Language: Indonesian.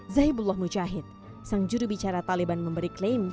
zahibullah mujahid sang juru bicara taliban memberi klaim